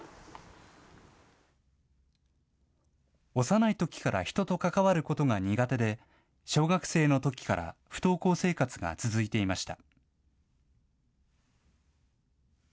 幼いときから人と関わることが苦手で、小学生のときから不登校生活が続いていました。